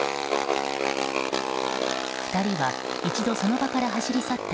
２人は一度その場から走り去った